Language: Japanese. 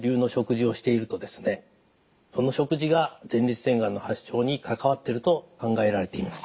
その食事が前立腺がんの発症に関わっていると考えられています。